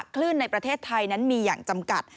คลื่นในประเทศไทยนั้นมีอย่างจำกัด